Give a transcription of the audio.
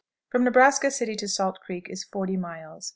From Nebraska City to Salt Creek is...... 40 miles.